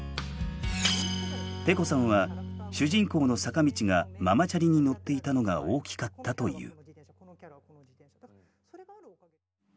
ＰＥＫＯさんは主人公の坂道がママチャリに乗っていたのが大きかったという。